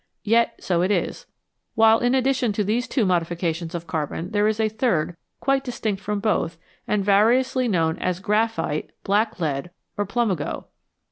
Yet so it is ; while, in addition to these two modifications of carbon, there is a third, quite distinct from both, and variously known as graphite, black lead, or plumbago.